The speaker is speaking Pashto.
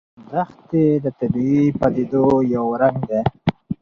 دښتې د طبیعي پدیدو یو رنګ دی.